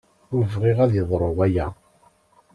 Ur bɣiɣ ad yeḍṛu waya.